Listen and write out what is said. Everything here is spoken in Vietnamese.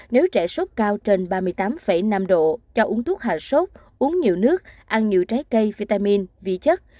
nếu trẻ sốt cao trên ba mươi tám năm độ cho uống thuốc hạ sốt uống nhiều nước ăn nhựa trái cây vitamin vi chất